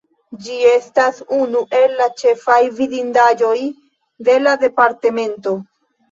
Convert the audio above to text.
Ĝi estas unu el la ĉefaj vidindaĵoj de la departemento.